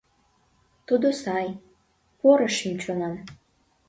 — Тудо сай, поро шӱм-чонан.